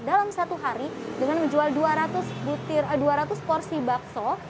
dalam satu hari dengan menjual dua ratus porsi bakso